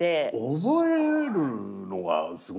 思えるのがすごいですね。